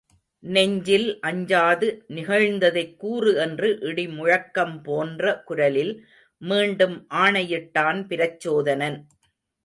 நெஞ்சில் அஞ்சாது நிகழ்ந்ததைக் கூறு என்று இடிமுழக்கம் போன்ற குரலில் மீண்டும் ஆணையிட்டான் பிரச்சோதனன்.